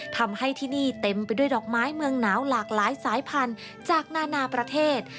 ทำให้ที่นี่เต็มไปด้วยดอกไม้เมืองหนาวหลากหลายสายพันธุ์จากนานาประเทศ